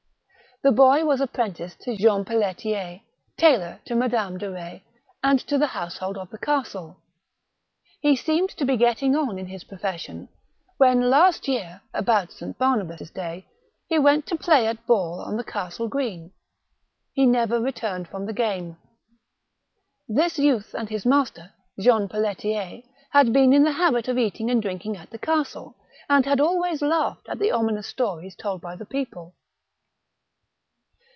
The boy was appren ticed to Jean Pelletier, tailor to Mme. de Retz and to the household of the castle. He seemed to be getting on in his profession, when last year, about S. Barnabas' 198 THE BOOK OF WERE WOLVES. day, he went to play at ball on the castle green. He never returned from the game. This youth and his master, Jean Pelletier, had been in the habit of eating and drinking at the castle, and had always laughed at the ominous stories told by the people.